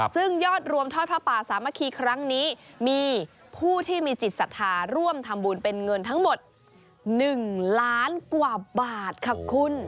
ซึ่งยอดรวมทอดผ้าป่าสามัคคีครั้งนี้มีผู้ที่มีจิตศรัทธาร่วมทำบุญเป็นเงินทั้งหมด๑ล้านกว่าบาทค่ะคุณ